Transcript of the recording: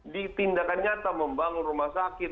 di tindakan nyata membangun rumah sakit